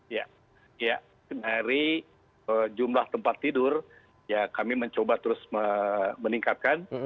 ya dari jumlah tempat tidur ya kami mencoba terus meningkatkan